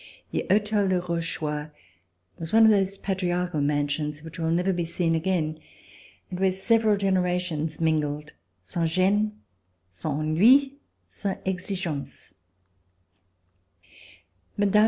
The Hotel de Rochechouart was one of those patriarchal man sions which will never be seen again and where sev eral generations mingled, sans gene, sans ennui, sans exigence. Mme.